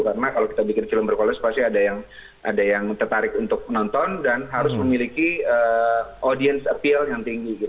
karena kalau kita bikin film berkualitas pasti ada yang tertarik untuk menonton dan harus memiliki audience appeal yang tinggi